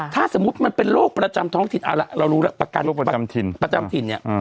ถ้าสมมุติมันเป็นโรคประจำท้องถิ่นเอาละเรารู้แล้วประกันประจำถิ่นเนี่ย